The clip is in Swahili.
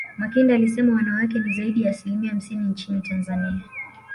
makinda alisema wanawake ni zaidi ya asilimia hamsini nchini tanzania